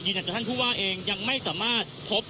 หลังจากท่านผู้ว่าเองยังไม่สามารถพบ